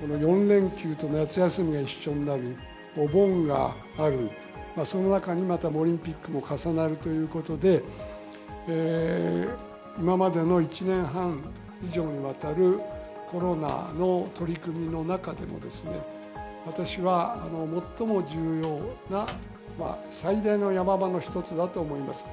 この４連休と夏休みが一緒になる、お盆がある、その中にまたオリンピックも重なるということで、今までの１年半以上にわたるコロナの取り組みの中でも、私は、最も重要な、最大のヤマ場の一つだと思います。